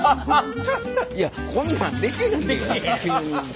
いやこんなんできひんで急に。